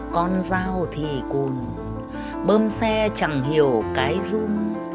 con dao thì cùn bơm xe chẳng hiểu cái dung